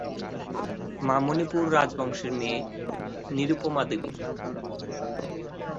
মা মণিপুর রাজবংশের মেয়ে নিরুপমা দেবী।